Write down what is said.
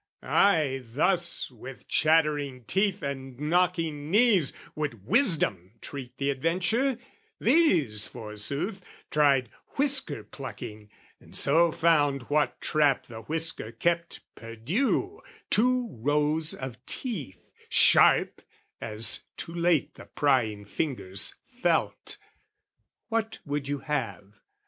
Ay, thus, with chattering teeth and knocking knees, Would wisdom treat the adventure: these, forsooth, Tried whisker plucking, and so found what trap The whisker kept perdue, two rows of teeth Sharp, as too late the prying fingers felt. What would you have?